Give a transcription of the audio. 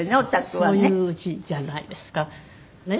そういううちじゃないですか。